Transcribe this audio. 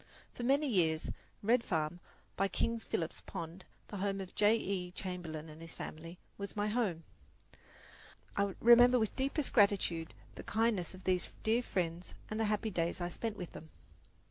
For many years Red Farm, by King Philip's Pond, the home of Mr. J. E. Chamberlin and his family, was my home. I remember with deepest gratitude the kindness of these dear friends and the happy days I spent with them.